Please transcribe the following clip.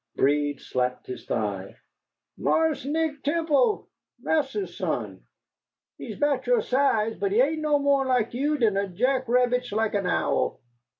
Breed slapped his thigh. "Marse Nick Temple, Marsa's son. He's 'bout you size, but he ain' no mo' laik you den a jack rabbit's laik an' owl.